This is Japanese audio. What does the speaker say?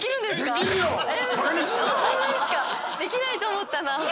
できないと思ったな。